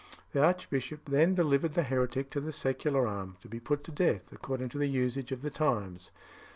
The archbishop then delivered the heretic to the secular arm, to be put to death, according to the usage of the times.